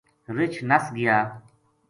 رچھ نَس گیا